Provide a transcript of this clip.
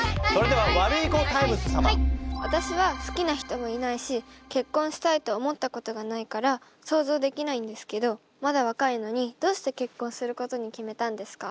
私は好きな人もいないし結婚したいと思ったことがないから想像できないんですけどまだ若いのにどうして結婚することに決めたんですか？